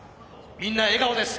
みんな笑顔です。